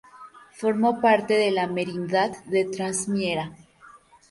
Formó parte de la Merindad de Trasmiera.